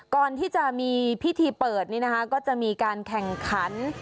ก่อนที่จะมีพิธีเปิดนี่นะคะก็จะมีการแข่งขัน